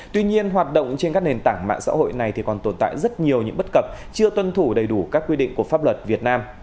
tuy nhiên hoạt động trên các nền tảng mạng xã hội này còn tồn tại rất nhiều những bất cập chưa tuân thủ đầy đủ các quy định của pháp luật việt nam